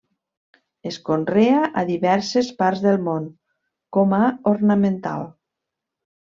Es conrea a diverses parts del món com a ornamental.